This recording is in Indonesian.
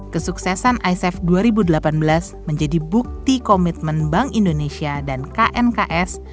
kesuksesan iff dua ribu delapan belas menjadi bukti komitmen bank indonesia dan knks